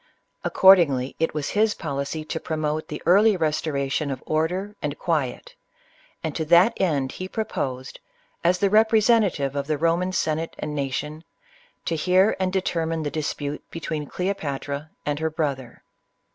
Accordingly, it was his policy to promote the early restoration of order and quiet, and to that end he proposed, as the representative of the Roman Sen ate and nation, to hear and determine the dispute be tween Cleopatra and her brother.